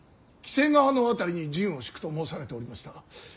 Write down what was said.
黄瀬川の辺りに陣を敷くと申されておりました。